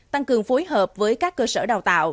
tăng cường phối hợp với các cơ sở đào tạo